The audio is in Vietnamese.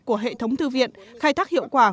của hệ thống thư viện khai thác hiệu quả